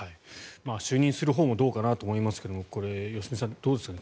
就任するほうもどうかと思いますがこれ、良純さんどうですか。